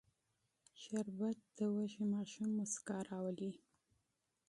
شربت د وږي ماشوم موسکا راولي